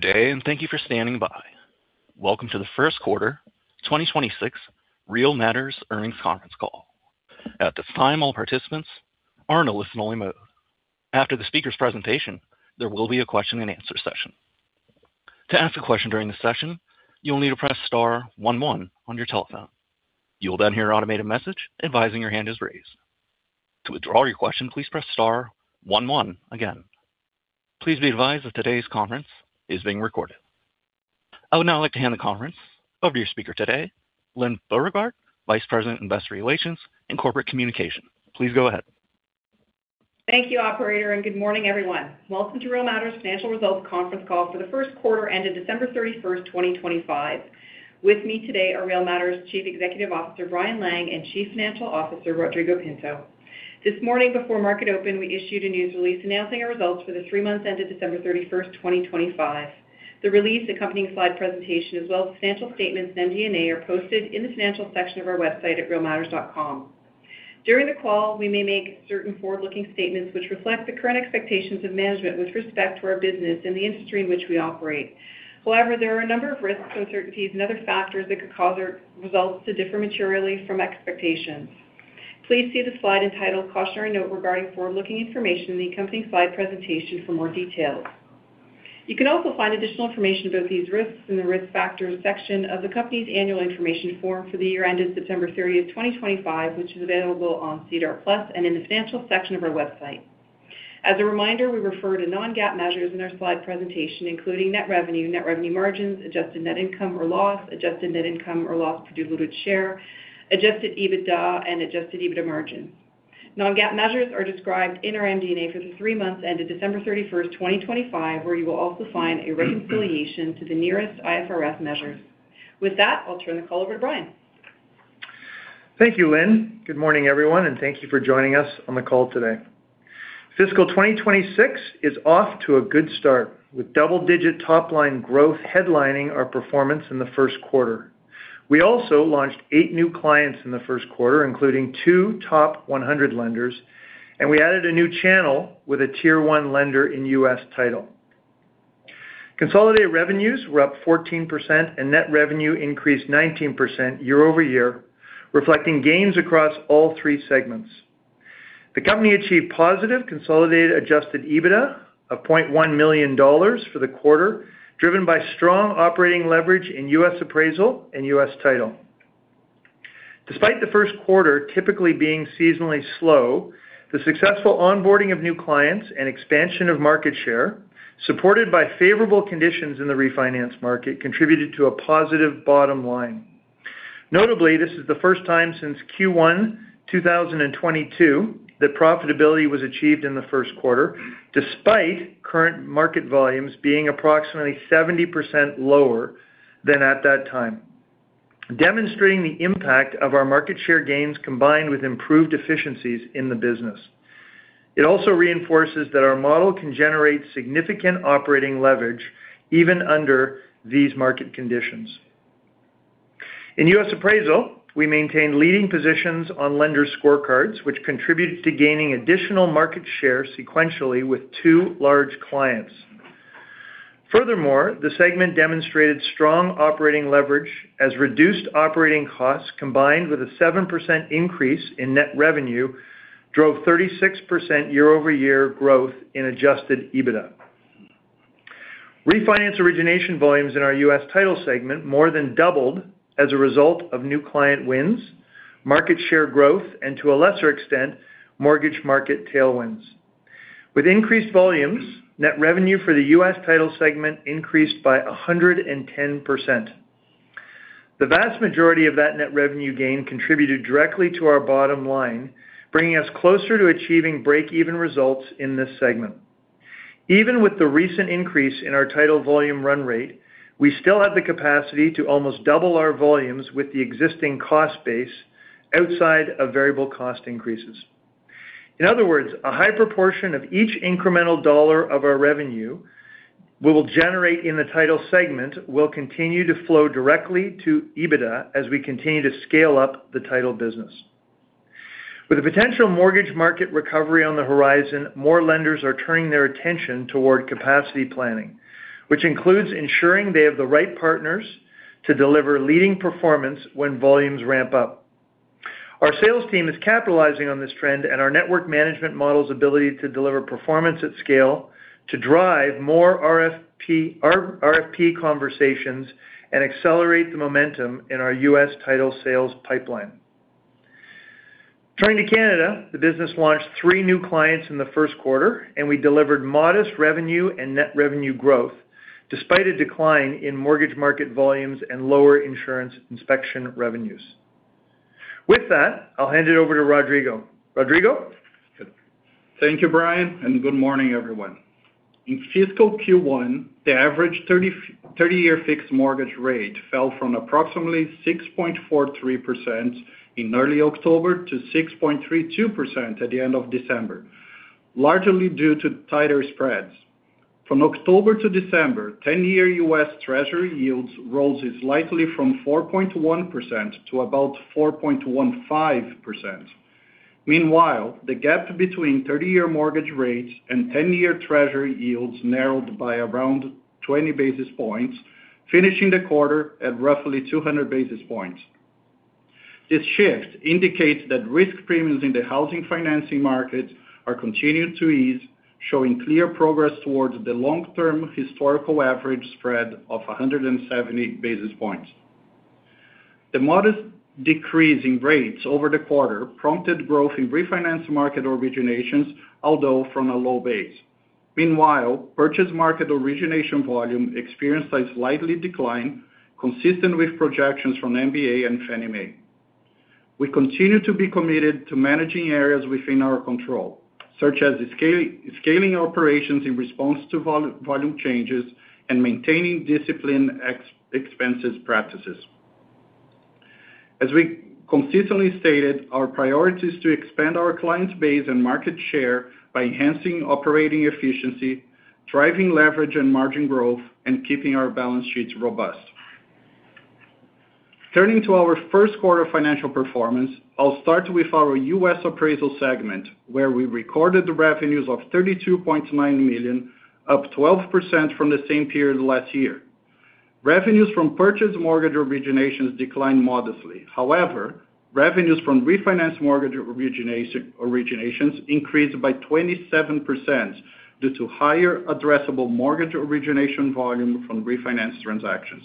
Today and thank you for standing by. Welcome to the first quarter 2026 Real Matters earnings conference call. At this time, all participants are in a listen-only mode. After the speaker's presentation, there will be a question-and-answer session. To ask a question during the session, you'll need to press star one one on your telephone. You will then hear an automated message advising your hand is raised. To withdraw your question, please press star one one again. Please be advised that today's conference is being recorded. I would now like to hand the conference over to your speaker today, Lyne Beauregard, Vice President, Investor Relations and Corporate Communication. Please go ahead. Thank you, Operator, and good morning, everyone. Welcome to Real Matters' financial results conference call for the first quarter ended December 31st, 2025. With me today are Real Matters Chief Executive Officer Brian Lang and Chief Financial Officer Rodrigo Pinto. This morning, before market open, we issued a news release announcing our results for the three months ended December 31st, 2025. The release, accompanying slide presentation, as well as the financial statements and MD&A are posted in the financial section of our website at realmatters.com. During the call, we may make certain forward-looking statements which reflect the current expectations of management with respect to our business and the industry in which we operate. However, there are a number of risks, uncertainties, and other factors that could cause our results to differ materially from expectations. Please see the slide entitled "Cautionary Note Regarding Forward-Looking Information" in the accompanying slide presentation for more details. You can also find additional information about these risks in the risk factors section of the company's Annual Information Form for the year ended September 30th, 2025, which is available on SEDAR+ and in the financial section of our website. As a reminder, we refer to Non-GAAP measures in our slide presentation, including Net Revenue, Net Revenue margins, Adjusted Net Income or Loss, Adjusted Net Income or Loss per diluted share, Adjusted EBITDA, and Adjusted EBITDA margins. Non-GAAP measures are described in our MD&A for the three months ended December 31st, 2025, where you will also find a reconciliation to the nearest IFRS measures. With that, I'll turn the call over to Brian. Thank you, Lynne. Good morning, everyone, and thank you for joining us on the call today. Fiscal 2026 is off to a good start, with double-digit top-line growth headlining our performance in the first quarter. We also launched eight new clients in the first quarter, including two top 100 lenders, and we added a new channel with a Tier 1 lender in U.S. Title. Consolidated revenues were up 14%, and net revenue increased 19% year-over-year, reflecting gains across all three segments. The company achieved positive consolidated Adjusted EBITDA of $0.1 million for the quarter, driven by strong operating leverage in U.S. Appraisal and U.S. Title. Despite the first quarter typically being seasonally slow, the successful onboarding of new clients and expansion of market share, supported by favorable conditions in the refinance market, contributed to a positive bottom line. Notably, this is the first time since Q1 2022 that profitability was achieved in the first quarter, despite current market volumes being approximately 70% lower than at that time, demonstrating the impact of our market share gains combined with improved efficiencies in the business. It also reinforces that our model can generate significant operating leverage even under these market conditions. In U.S. Appraisal, we maintained leading positions on lender scorecards, which contributed to gaining additional market share sequentially with two large clients. Furthermore, the segment demonstrated strong operating leverage as reduced operating costs combined with a 7% increase in net revenue drove 36% year-over-year growth in Adjusted EBITDA. Refinance origination volumes in our U.S. Title segment more than doubled as a result of new client wins, market share growth, and to a lesser extent, mortgage market tailwinds. With increased volumes, net revenue for the U.S. Title segment increased by 110%. The vast majority of that net revenue gain contributed directly to our bottom line, bringing us closer to achieving break-even results in this segment. Even with the recent increase in our title volume run rate, we still have the capacity to almost double our volumes with the existing cost base outside of variable cost increases. In other words, a high proportion of each incremental dollar of our revenue we will generate in the title segment will continue to flow directly to EBITDA as we continue to scale up the title business. With the potential mortgage market recovery on the horizon, more lenders are turning their attention toward capacity planning, which includes ensuring they have the right partners to deliver leading performance when volumes ramp up. Our sales team is capitalizing on this trend and our network management model's ability to deliver performance at scale to drive more RFP conversations and accelerate the momentum in our U.S. title sales pipeline. Turning to Canada, the business launched three new clients in the first quarter, and we delivered modest revenue and net revenue growth despite a decline in mortgage market volumes and lower insurance inspection revenues. With that, I'll hand it over to Rodrigo. Rodrigo? Thank you, Brian, and good morning, everyone. In fiscal Q1, the average 30-year fixed mortgage rate fell from approximately 6.43% in early October to 6.32% at the end of December, largely due to tighter spreads. From October to December, 10-year U.S. Treasury yields rose slightly from 4.1% to about 4.15%. Meanwhile, the gap between 30-year mortgage rates and 10-year Treasury yields narrowed by around 20 basis points, finishing the quarter at roughly 200 basis points. This shift indicates that risk premiums in the housing financing markets are continuing to ease, showing clear progress towards the long-term historical average spread of 170 basis points. The modest decrease in rates over the quarter prompted growth in refinance market originations, although from a low base. Meanwhile, purchase market origination volume experienced a slight decline, consistent with projections from MBA and Fannie Mae. We continue to be committed to managing areas within our control, such as scaling operations in response to volume changes and maintaining disciplined expenses practices. As we consistently stated, our priority is to expand our client base and market share by enhancing operating efficiency, driving leverage and margin growth, and keeping our balance sheets robust. Turning to our first quarter financial performance, I'll start with our U.S. Appraisal segment, where we recorded the revenues of $32.9 million, up 12% from the same period last year. Revenues from purchase mortgage originations declined modestly. However, revenues from refinance mortgage originations increased by 27% due to higher addressable mortgage origination volume from refinance transactions.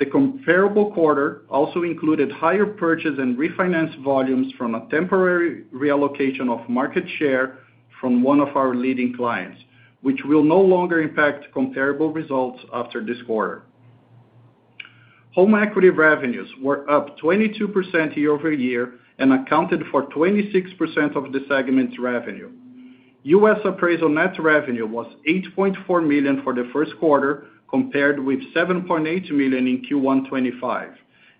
The comparable quarter also included higher purchase and refinance volumes from a temporary reallocation of market share from one of our leading clients, which will no longer impact comparable results after this quarter. Home equity revenues were up 22% year-over-year and accounted for 26% of the segment's revenue. U.S. Appraisal Net Revenue was $8.4 million for the first quarter, compared with $7.8 million in Q1 2025,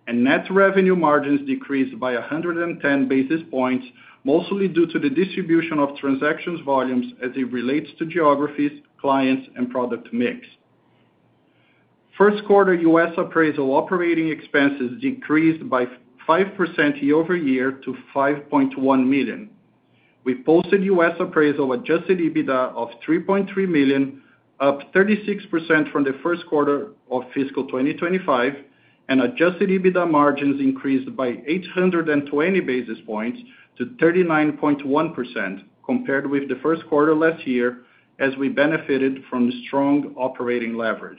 and Net Revenue margins decreased by 110 basis points, mostly due to the distribution of transaction volumes as it relates to geographies, clients, and product mix. First quarter U.S. Appraisal operating expenses decreased by 5% year-over-year to $5.1 million. We posted U.S. Appraisal Adjusted EBITDA of $3.3 million, up 36% from the first quarter of fiscal 2025, and Adjusted EBITDA margins increased by 820 basis points to 39.1%, compared with the first quarter last year, as we benefited from strong operating leverage.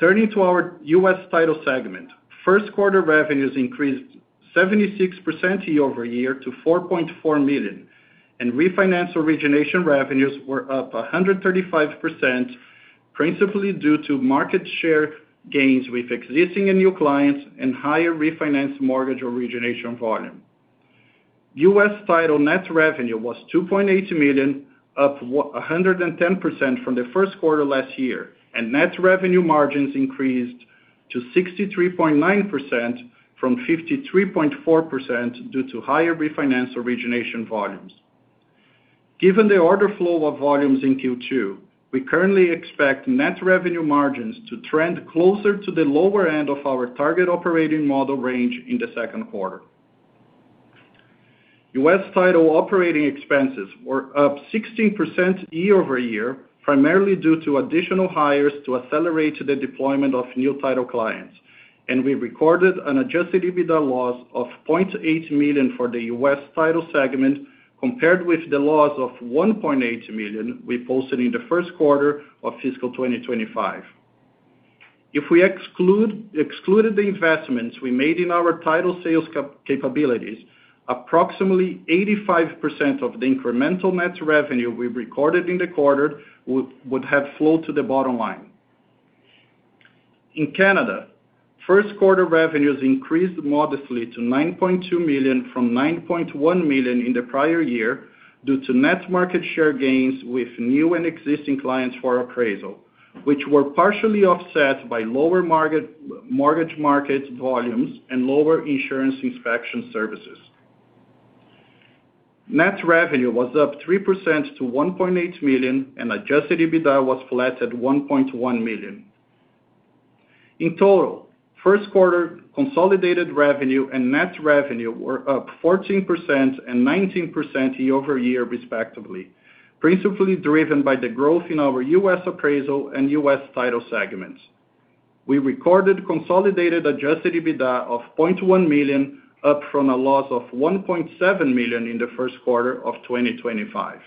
Turning to our U.S. Title segment, first quarter revenues increased 76% year-over-year to $4.4 million, and refinance origination revenues were up 135%, principally due to market share gains with existing and new clients and higher refinance mortgage origination volume. U.S. Title net revenue was $2.8 million, up 110% from the first quarter last year, and net revenue margins increased to 63.9% from 53.4% due to higher refinance origination volumes. Given the order flow of volumes in Q2, we currently expect net revenue margins to trend closer to the lower end of our target operating model range in the second quarter. U.S. Title operating expenses were up 16% year-over-year, primarily due to additional hires to accelerate the deployment of new title clients, and we recorded an Adjusted EBITDA loss of $0.8 million for the U.S. Title segment, compared with the loss of $1.8 million we posted in the first quarter of fiscal 2025. If we excluded the investments we made in our title sales capabilities, approximately 85% of the incremental Net Revenue we recorded in the quarter would have flowed to the bottom line. In Canada, first quarter revenues increased modestly to $9.2 million from $9.1 million in the prior year due to net market share gains with new and existing clients for appraisal, which were partially offset by lower mortgage market volumes and lower insurance inspection services. Net Revenue was up 3% to $1.8 million, and Adjusted EBITDA was flat at $1.1 million. In total, first quarter consolidated revenue and Net Revenue were up 14% and 19% year-over-year, respectively, principally driven by the growth in our U.S. Appraisal and U.S. Title segments. We recorded consolidated Adjusted EBITDA of $0.1 million, up from a loss of $1.7 million in the first quarter of 2025.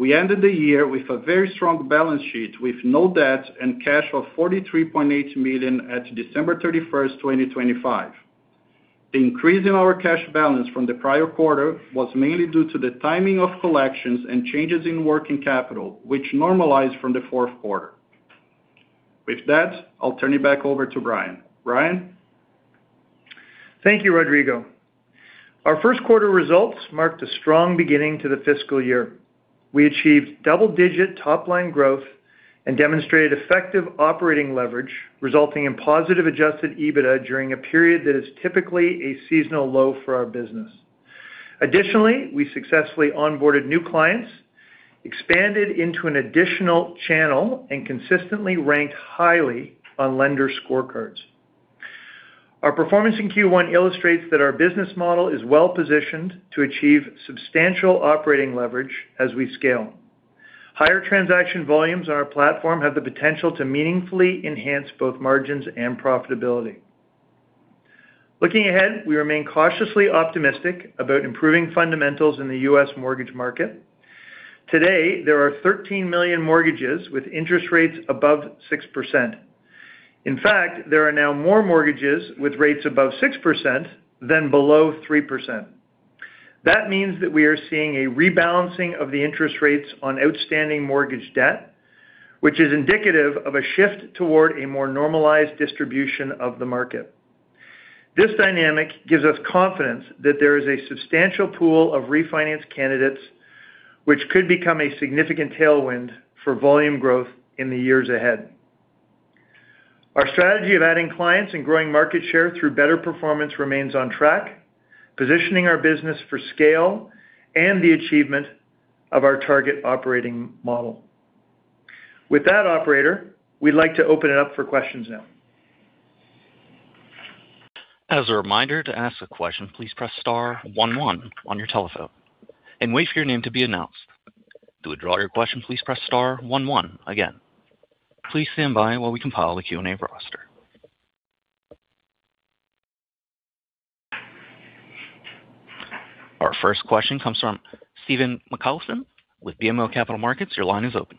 We ended the year with a very strong balance sheet with no debt and cash of $43.8 million at December 31st, 2025. The increase in our cash balance from the prior quarter was mainly due to the timing of collections and changes in working capital, which normalized from the fourth quarter. With that, I'll turn it back over to Brian. Brian. Thank you, Rodrigo. Our first quarter results marked a strong beginning to the fiscal year. We achieved double-digit top-line growth and demonstrated effective operating leverage, resulting in positive Adjusted EBITDA during a period that is typically a seasonal low for our business. Additionally, we successfully onboarded new clients, expanded into an additional channel, and consistently ranked highly on lender scorecards. Our performance in Q1 illustrates that our business model is well-positioned to achieve substantial operating leverage as we scale. Higher transaction volumes on our platform have the potential to meaningfully enhance both margins and profitability. Looking ahead, we remain cautiously optimistic about improving fundamentals in the U.S. mortgage market. Today, there are 13 million mortgages with interest rates above 6%. In fact, there are now more mortgages with rates above 6% than below 3%. That means that we are seeing a rebalancing of the interest rates on outstanding mortgage debt, which is indicative of a shift toward a more normalized distribution of the market. This dynamic gives us confidence that there is a substantial pool of refinance candidates, which could become a significant tailwind for volume growth in the years ahead. Our strategy of adding clients and growing market share through better performance remains on track, positioning our business for scale and the achievement of our target operating model. With that, operator, we'd like to open it up for questions now. As a reminder, to ask a question, please press star one one on your telephone and wait for your name to be announced. To withdraw your question, please press star one one again. Please stand by while we compile the Q&A roster. Our first question comes from Stephen MacLeod with BMO Capital Markets. Your line is open.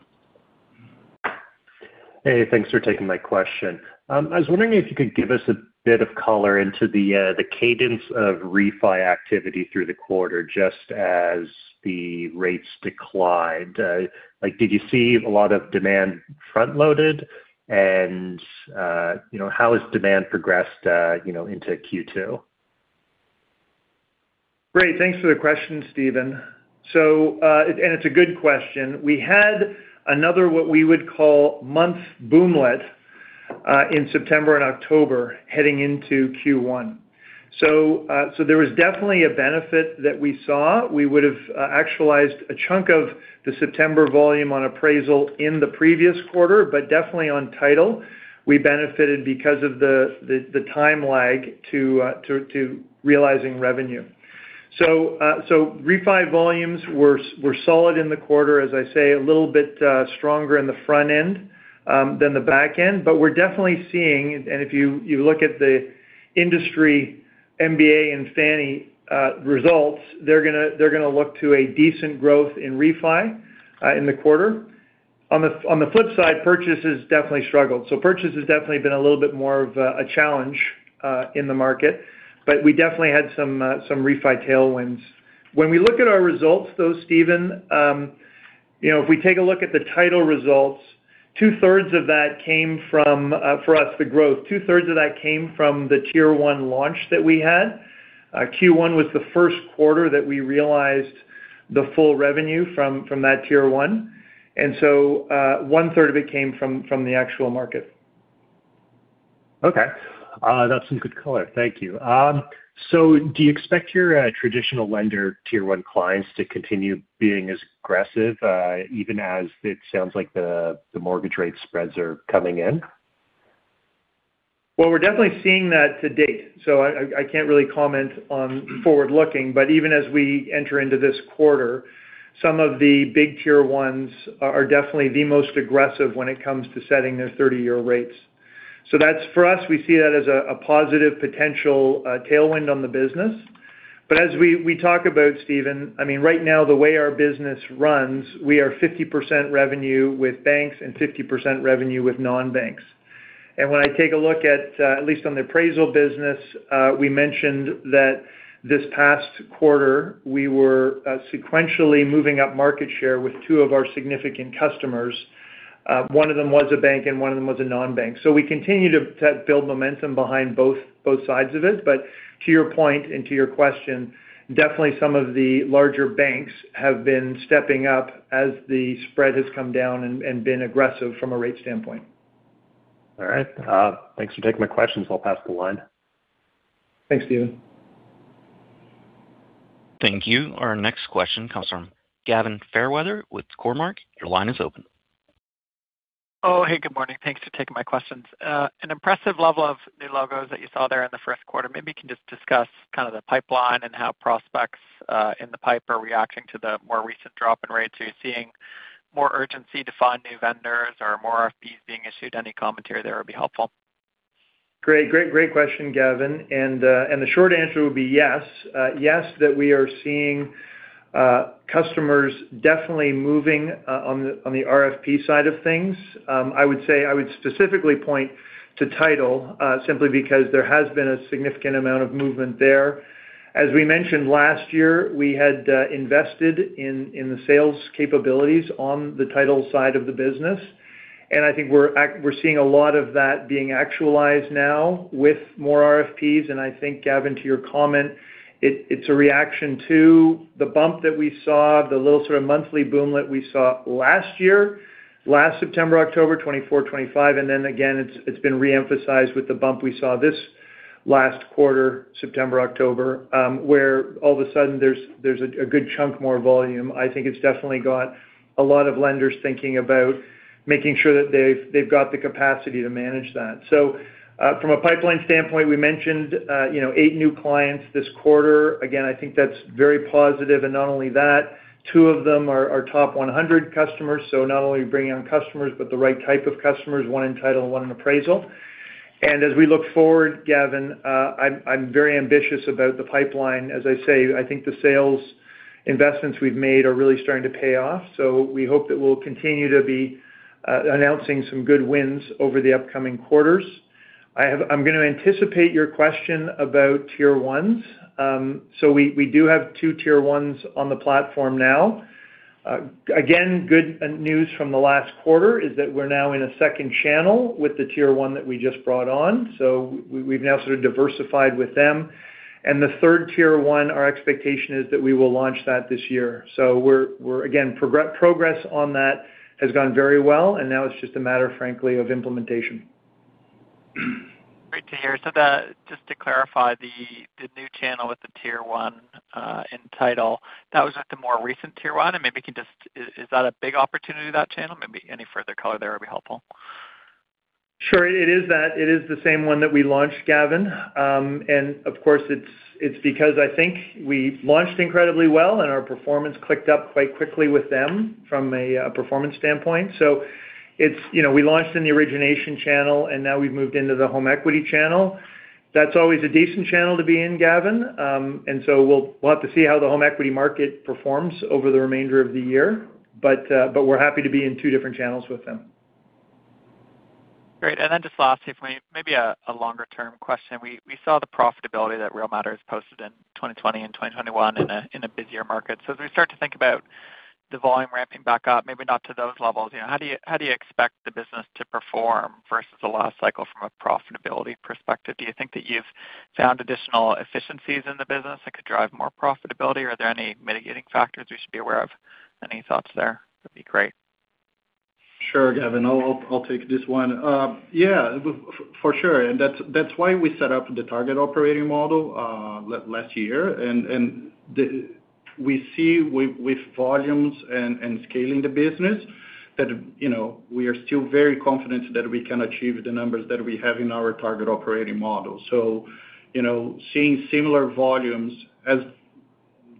Hey, thanks for taking my question. I was wondering if you could give us a bit of color into the cadence of refi activity through the quarter, just as the rates declined. Did you see a lot of demand front-loaded, and how has demand progressed into Q2? Great. Thanks for the question, Stephen. It's a good question. We had another what we would call month boomlet in September and October heading into Q1. So there was definitely a benefit that we saw. We would have actualized a chunk of the September volume on appraisal in the previous quarter, but definitely on title, we benefited because of the time lag to realizing revenue. So refi volumes were solid in the quarter, as I say, a little bit stronger in the front end than the back end, but we're definitely seeing, and if you look at the industry MBA and Fannie results, they're going to look to a decent growth in refi in the quarter. On the flip side, purchases definitely struggled. So purchases definitely have been a little bit more of a challenge in the market, but we definitely had some refi tailwinds. When we look at our results, though, Stephen, if we take a look at the title results, two-thirds of that came from, for us, the growth. Two-thirds of that came from the Tier 1 launch that we had. Q1 was the first quarter that we realized the full revenue from that Tier 1. And so one-third of it came from the actual market. Okay. That's some good color. Thank you. So do you expect your traditional lender Tier 1 clients to continue being as aggressive, even as it sounds like the mortgage rate spreads are coming in? Well, we're definitely seeing that to date. I can't really comment on forward-looking, but even as we enter into this quarter, some of the big Tier 1s are definitely the most aggressive when it comes to setting their 30-year rates. For us, we see that as a positive potential tailwind on the business. As we talk about, Stephen, I mean, right now, the way our business runs, we are 50% revenue with banks and 50% revenue with non-banks. When I take a look at, at least on the appraisal business, we mentioned that this past quarter, we were sequentially moving up market share with two of our significant customers. One of them was a bank and one of them was a non-bank. We continue to build momentum behind both sides of it. But to your point and to your question, definitely some of the larger banks have been stepping up as the spread has come down and been aggressive from a rate standpoint. All right. Thanks for taking my questions. I'll pass the line. Thanks, Stephen. Thank you. Our next question comes from Gavin Fairweather with Cormark. Your line is open. Oh, hey, good morning. Thanks for taking my questions. An impressive level of new logos that you saw there in the first quarter. Maybe you can just discuss kind of the pipeline and how prospects in the pipe are reacting to the more recent drop in rates. Are you seeing more urgency to find new vendors or more RFPs being issued? Any commentary there would be helpful. Great, great, great question, Gavin. The short answer would be yes. Yes, that we are seeing customers definitely moving on the RFP side of things. I would say I would specifically point to title simply because there has been a significant amount of movement there. As we mentioned last year, we had invested in the sales capabilities on the title side of the business. I think we're seeing a lot of that being actualized now with more RFPs. I think, Gavin, to your comment, it's a reaction to the bump that we saw, the little sort of monthly boomlet we saw last year, last September, October 2024, 2025. Then again, it's been reemphasized with the bump we saw this last quarter, September, October, where all of a sudden, there's a good chunk more volume. I think it's definitely got a lot of lenders thinking about making sure that they've got the capacity to manage that. So from a pipeline standpoint, we mentioned 8 new clients this quarter. Again, I think that's very positive. And not only that, two of them are top 100 customers. So not only are we bringing on customers, but the right type of customers, one in title and one in appraisal. And as we look forward, Gavin, I'm very ambitious about the pipeline. As I say, I think the sales investments we've made are really starting to pay off. So we hope that we'll continue to be announcing some good wins over the upcoming quarters. I'm going to anticipate your question about Tier 1s. So we do have 2 Tier 1s on the platform now. Again, good news from the last quarter is that we're now in a second channel with the Tier 1 that we just brought on. So we've now sort of diversified with them. And the third Tier 1, our expectation is that we will launch that this year. So again, progress on that has gone very well. And now it's just a matter, frankly, of implementation. Great to hear. So just to clarify, the new channel with the Tier 1 in title, that was with the more recent Tier 1. And maybe you can just, is that a big opportunity, that channel? Maybe any further color there would be helpful? Sure. It is that. It is the same one that we launched, Gavin. And of course, it's because I think we launched incredibly well, and our performance clicked up quite quickly with them from a performance standpoint. So we launched in the origination channel, and now we've moved into the home equity channel. That's always a decent channel to be in, Gavin. And so we'll have to see how the home equity market performs over the remainder of the year. But we're happy to be in two different channels with them. Great. And then just lastly for me, maybe a longer-term question. We saw the profitability that Real Matters posted in 2020 and 2021 in a busier market. So as we start to think about the volume ramping back up, maybe not to those levels, how do you expect the business to perform versus the last cycle from a profitability perspective? Do you think that you've found additional efficiencies in the business that could drive more profitability? Are there any mitigating factors we should be aware of? Any thoughts there would be great. Sure, Gavin. I'll take this one. Yeah, for sure. And that's why we set up the target operating model last year. And we see with volumes and scaling the business that we are still very confident that we can achieve the numbers that we have in our target operating model. So seeing similar volumes, as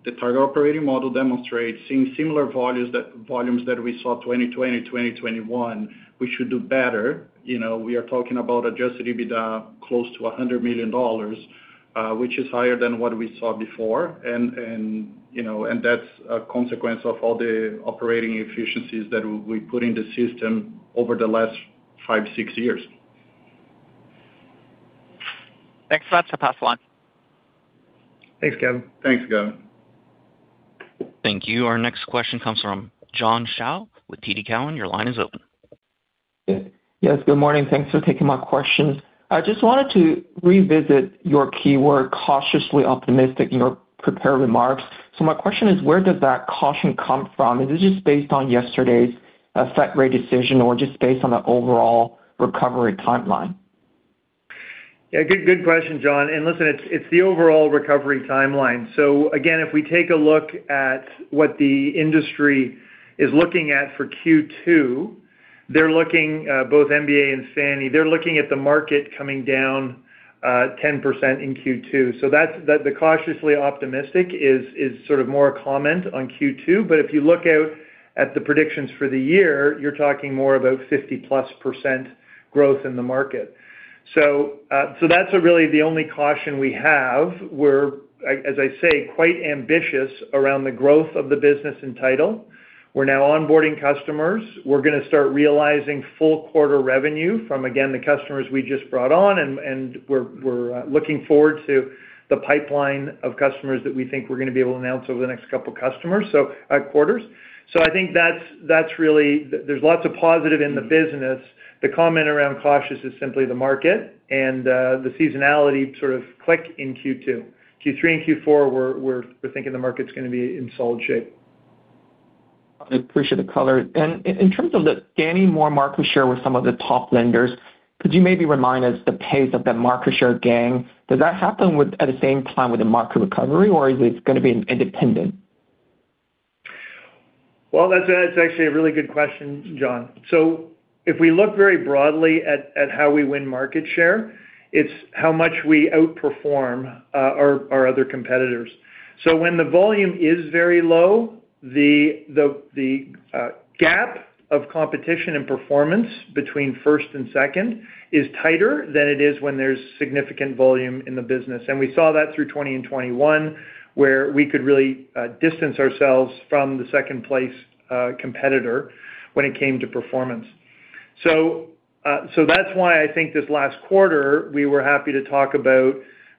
the target operating model demonstrates, seeing similar volumes that we saw in 2020, 2021, we should do better. We are talking about Adjusted EBITDA close to $100 million, which is higher than what we saw before. And that's a consequence of all the operating efficiencies that we put in the system over the last five, six years. Thanks for that. So pass the line. Thanks, Gavin. Thank you. Our next question comes from John Shao with TD Cowen. Your line is open. Yes. Good morning. Thanks for taking my question. I just wanted to revisit your keyword, cautiously optimistic, in your prepared remarks. So my question is, where does that caution come from? Is it just based on yesterday's Fed rate decision or just based on the overall recovery timeline? Yeah. Good question, John. Listen, it's the overall recovery timeline. Again, if we take a look at what the industry is looking at for Q2, they're looking both MBA and Fannie. They're looking at the market coming down 10% in Q2. The cautiously optimistic is sort of more a comment on Q2. If you look out at the predictions for the year, you're talking more about 50%+ growth in the market. That's really the only caution we have. We're, as I say, quite ambitious around the growth of the business in title. We're now onboarding customers. We're going to start realizing full quarter revenue from, again, the customers we just brought on. We're looking forward to the pipeline of customers that we think we're going to be able to announce over the next couple of quarters. So I think that's really there's lots of positive in the business. The comment around cautious is simply the market and the seasonality sort of click in Q2. Q3 and Q4, we're thinking the market's going to be in solid shape. I appreciate the color. In terms of the gaining more market share with some of the top lenders, could you maybe remind us the pace of that market share gain? Does that happen at the same time with the market recovery, or is it going to be independent? Well, that's actually a really good question, John. So if we look very broadly at how we win market share, it's how much we outperform our other competitors. So when the volume is very low, the gap of competition and performance between first and second is tighter than it is when there's significant volume in the business. And we saw that through 2020 and 2021, where we could really distance ourselves from the second-place competitor when it came to performance. So that's why I think this last quarter, we were happy to talk about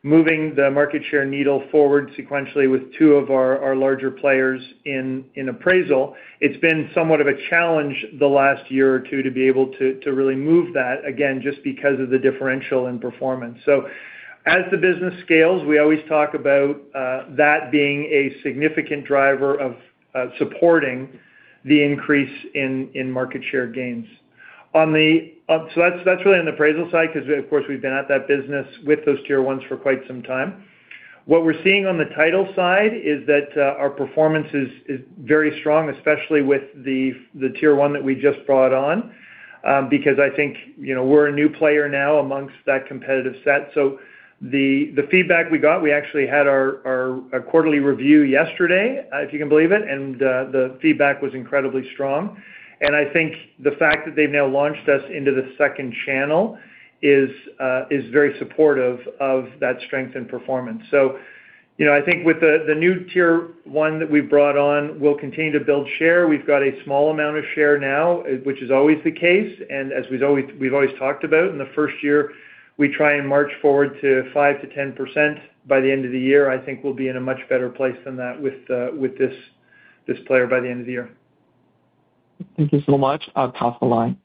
moving the market share needle forward sequentially with two of our larger players in appraisal. It's been somewhat of a challenge the last year or two to be able to really move that again, just because of the differential in performance. So as the business scales, we always talk about that being a significant driver of supporting the increase in market share gains. So that's really on the appraisal side because, of course, we've been at that business with those Tier 1s for quite some time. What we're seeing on the title side is that our performance is very strong, especially with the Tier 1 that we just brought on, because I think we're a new player now amongst that competitive set. So the feedback we got, we actually had our quarterly review yesterday, if you can believe it, and the feedback was incredibly strong. And I think the fact that they've now launched us into the second channel is very supportive of that strength in performance. So I think with the new Tier 1 that we've brought on, we'll continue to build share. We've got a small amount of share now, which is always the case. As we've always talked about, in the first year, we try and march forward to 5%-10% by the end of the year. I think we'll be in a much better place than that with this player by the end of the year. Thank you so much. I'll pass the line.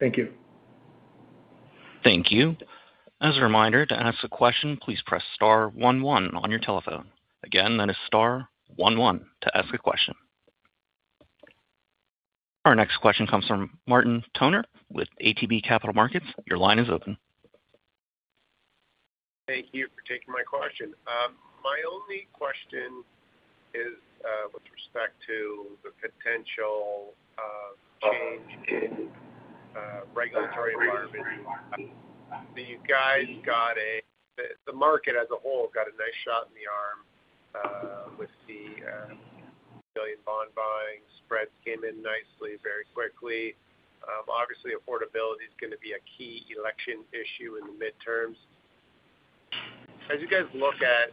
Thank you. Thank you. As a reminder, to ask a question, please press star one on your telephone. Again, that is star one one to ask a question. Our next question comes from Martin Toner with ATB Capital Markets. Your line is open. Thank you for taking my question. My only question is with respect to the potential change in regulatory environment. Do you guys think the market as a whole got a nice shot in the arm with the billion bond buying? Spreads came in nicely very quickly. Obviously, affordability is going to be a key election issue in the midterms. As you guys look at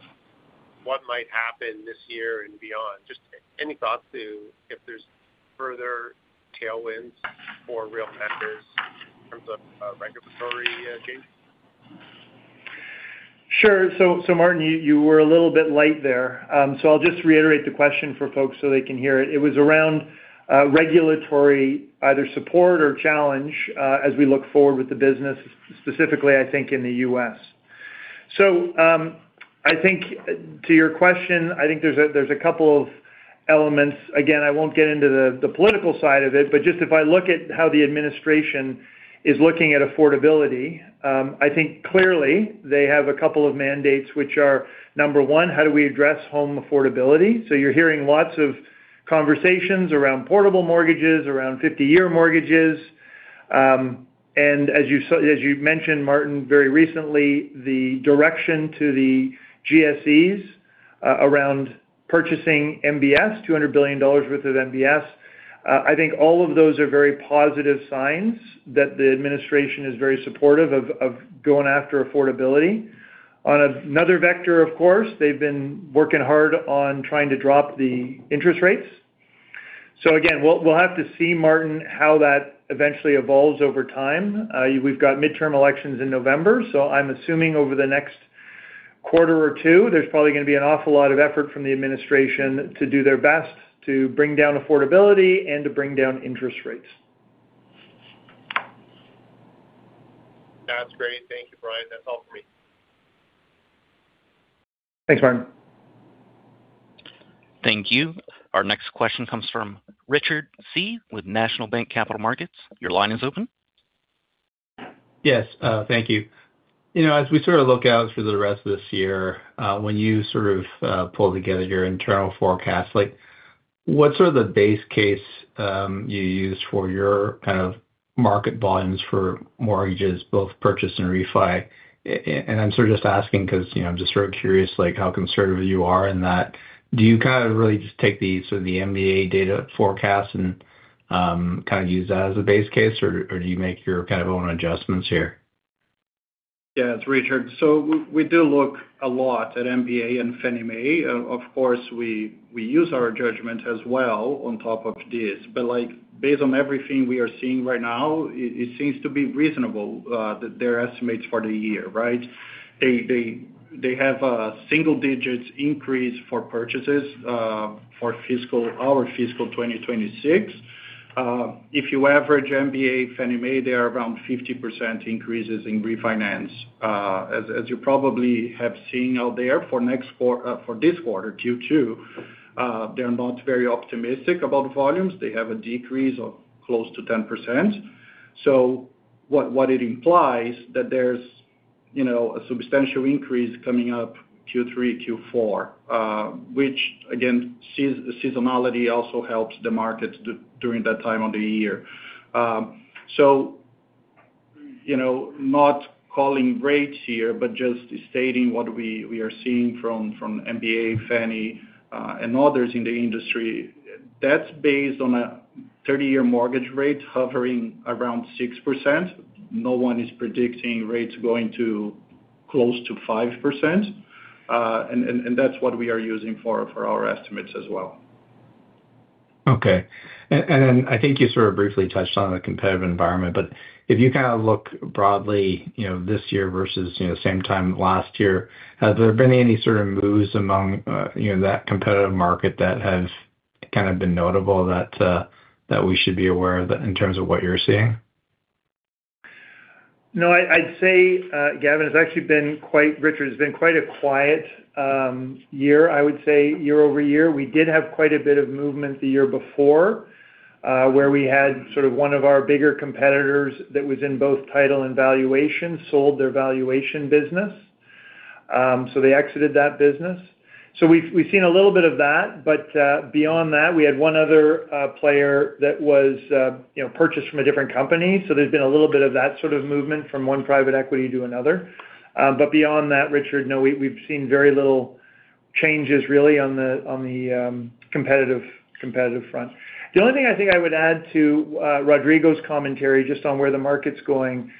what might happen this year and beyond, just any thoughts if there's further tailwinds for Real Matters in terms of regulatory gains? Sure. So Martin, you were a little bit light there. So I'll just reiterate the question for folks so they can hear it. It was around regulatory either support or challenge as we look forward with the business, specifically, I think, in the U.S. So I think to your question, I think there's a couple of elements. Again, I won't get into the political side of it, but just if I look at how the administration is looking at affordability, I think clearly they have a couple of mandates, which are, number one, how do we address home affordability? So you're hearing lots of conversations around portable mortgages, around 50-year mortgages. And as you mentioned, Martin, very recently, the direction to the GSEs around purchasing MBS, $200 billion worth of MBS. I think all of those are very positive signs that the administration is very supportive of going after affordability. On another vector, of course, they've been working hard on trying to drop the interest rates. So again, we'll have to see, Martin, how that eventually evolves over time. We've got midterm elections in November. So I'm assuming over the next quarter or two, there's probably going to be an awful lot of effort from the administration to do their best to bring down affordability and to bring down interest rates. That's great. Thank you, Brian. That's all for me. Thanks, Martin. Thank you. Our next question comes from Richard C. with National Bank Financial. Your line is open. Yes. Thank you. As we sort of look out for the rest of this year, when you sort of pull together your internal forecast, what sort of the base case you use for your kind of market volumes for mortgages, both purchase and refi? And I'm sort of just asking because I'm just sort of curious how conservative you are in that. Do you kind of really just take the sort of the MBA data forecast and kind of use that as a base case, or do you make your kind of own adjustments here? Yeah. It's Richard. So we do look a lot at MBA and Fannie Mae. Of course, we use our judgment as well on top of this. But based on everything we are seeing right now, it seems to be reasonable that their estimates for the year, right? They have a single-digit increase for purchases for our fiscal 2026. If you average MBA, Fannie Mae, they are around 50% increases in refinance. As you probably have seen out there for this quarter, Q2, they're not very optimistic about volumes. They have a decrease of close to 10%. So what it implies is that there's a substantial increase coming up Q3, Q4, which, again, seasonality also helps the market during that time of the year. So not calling rates here, but just stating what we are seeing from MBA, Fannie, and others in the industry, that's based on a 30-year mortgage rate hovering around 6%. No one is predicting rates going to close to 5%. That's what we are using for our estimates as well. Okay. And then I think you sort of briefly touched on the competitive environment, but if you kind of look broadly this year versus the same time last year, have there been any sort of moves among that competitive market that have kind of been notable that we should be aware of in terms of what you're seeing? No, I'd say, Gavin, it's actually been quite quiet, Richard, it's been quite a quiet year, I would say, year-over-year. We did have quite a bit of movement the year before where we had sort of one of our bigger competitors that was in both title and valuation sold their valuation business. So they exited that business. So we've seen a little bit of that. But beyond that, we had one other player that was purchased from a different company. So there's been a little bit of that sort of movement from one private equity to another. But beyond that, Richard, no, we've seen very little changes really on the competitive front. The only thing I think I would add to Rodrigo's commentary just on where the market's going,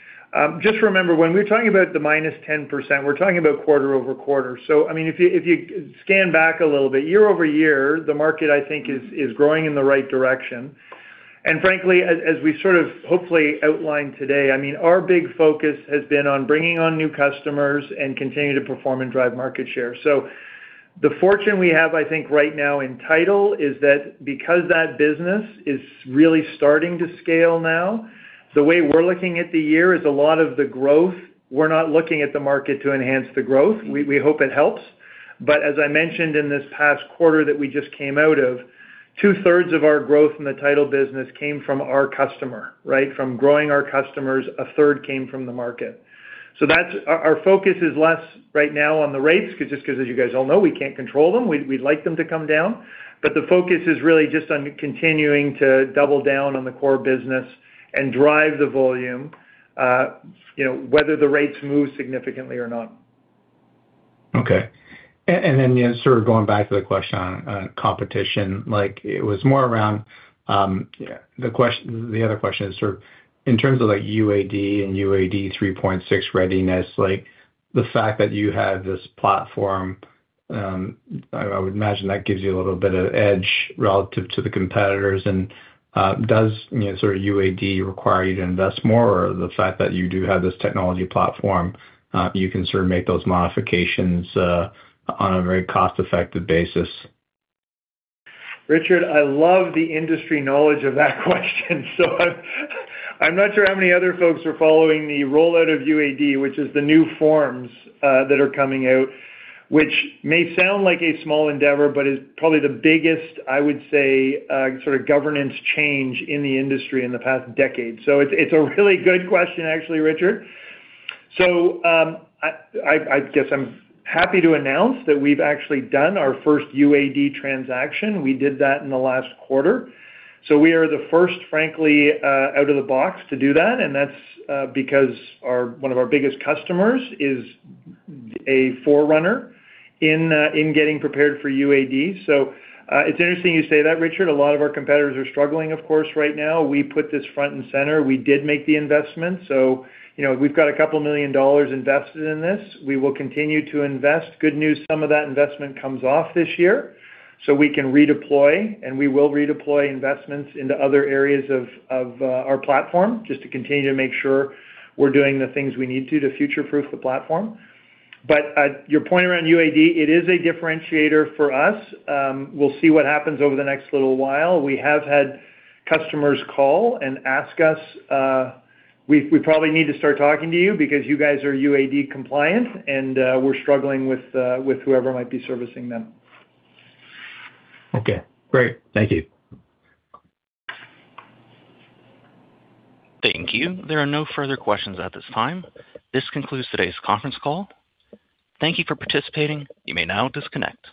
just remember when we're talking about the -10%, we're talking about quarter-over-quarter. So I mean, if you scan back a little bit, year-over-year, the market, I think, is growing in the right direction. And frankly, as we sort of hopefully outlined today, I mean, our big focus has been on bringing on new customers and continuing to perform and drive market share. So the fortune we have, I think, right now in title is that because that business is really starting to scale now, the way we're looking at the year is a lot of the growth, we're not looking at the market to enhance the growth. We hope it helps. But as I mentioned in this past quarter that we just came out of, two-thirds of our growth in the title business came from our customer, right? From growing our customers, a third came from the market. So our focus is less right now on the rates just because, as you guys all know, we can't control them. We'd like them to come down. But the focus is really just on continuing to double down on the core business and drive the volume, whether the rates move significantly or not. Okay. And then sort of going back to the question on competition, it was more around the other question is sort of in terms of UAD and UAD 3.6 readiness, the fact that you have this platform, I would imagine that gives you a little bit of edge relative to the competitors. And does sort of UAD require you to invest more? Or the fact that you do have this technology platform, you can sort of make those modifications on a very cost-effective basis? Richard, I love the industry knowledge of that question. I'm not sure how many other folks are following the rollout of UAD, which is the new forms that are coming out, which may sound like a small endeavor, but is probably the biggest, I would say, sort of governance change in the industry in the past decade. It's a really good question, actually, Richard. I guess I'm happy to announce that we've actually done our first UAD transaction. We did that in the last quarter. We are the first, frankly, out of the box to do that. That's because one of our biggest customers is a forerunner in getting prepared for UAD. It's interesting you say that, Richard. A lot of our competitors are struggling, of course, right now. We put this front and center. We did make the investment. So we've got $2 million invested in this. We will continue to invest. Good news, some of that investment comes off this year. So we can redeploy, and we will redeploy investments into other areas of our platform just to continue to make sure we're doing the things we need to to future-proof the platform. But your point around UAD, it is a differentiator for us. We'll see what happens over the next little while. We have had customers call and ask us, "We probably need to start talking to you because you guys are UAD compliant, and we're struggling with whoever might be servicing them. Okay. Great. Thank you. Thank you. There are no further questions at this time. This concludes today's conference call. Thank you for participating. You may now disconnect.